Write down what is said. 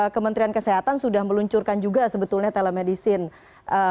kementerian kesehatan sudah meluncurkan juga sebetulnya telemedicine